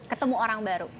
ketemu orang baru